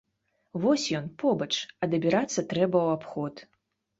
Вось ён, побач, а дабірацца трэба ў абход.